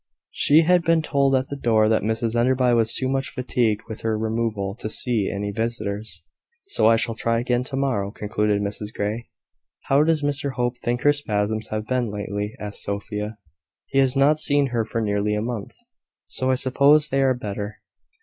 She had been told at the door that Mrs Enderby was too much fatigued with her removal to see any visitors. "So I shall try again to morrow," concluded Mrs Grey. "How does Mr Hope think her spasms have been lately?" asked Sophia. "He has not seen her for nearly a month; so I suppose they are better."